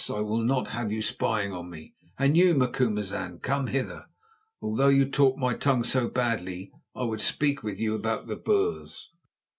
I will not have you spying on me; and you, Macumazahn, come hither. Although you talk my tongue so badly, I would speak with you about the Boers."